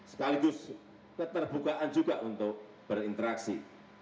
sekaligus keterbukaan juga untuk berinteraksi